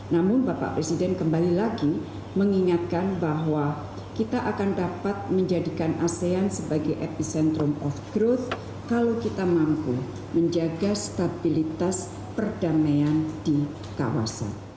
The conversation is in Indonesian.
namun bapak presiden kembali lagi mengingatkan bahwa kita akan dapat menjadikan asean sebagai epicentrum of growth kalau kita mampu menjaga stabilitas perdamaian di kawasan